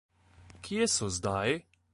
Kje so zdaj?